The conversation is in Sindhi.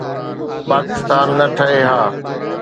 پاڪستان نه ٺهي ها.